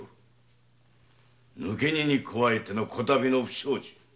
抜け荷に加えてこ度の不祥事。